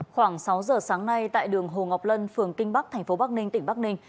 khoảng sáu giờ sáng nay tại đường hồ ngọc lân phường kinh bắc thành phố bắc ninh tỉnh bắc ninh